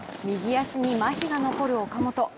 右足にまひが残る岡本。